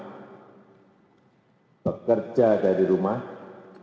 jadi saya akan berdoa dengan anda